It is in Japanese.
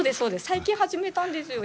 最近始めたんですよ。